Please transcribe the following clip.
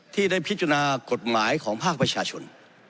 ที่ได้พิจารณากฎหมายของภาคประชาชน